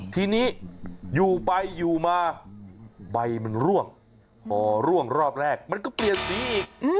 ทีนี้อยู่ไปอยู่มาใบมันร่วงพอร่วงรอบแรกมันก็เปลี่ยนสีอีก